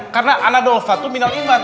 karena anadol fatuh minal iman